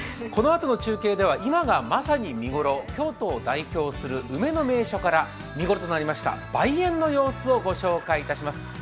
このあとの中継では今がまさに見頃、京都を代表する梅の名所から見頃となりました梅苑の様子をご覧いただきます。